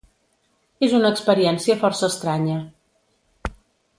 És una experiència força estranya.